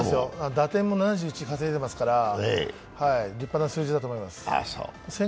打点も７１稼いでいますから立派な数字だと思います。